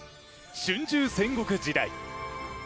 春秋戦国時代。